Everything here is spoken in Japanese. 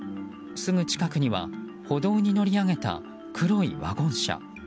すぐ近くには歩道に乗り上げた黒いワゴン車。